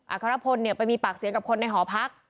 อาคารพลไปมีปากเสียงกับคนในหอพัก